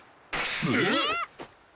えっ？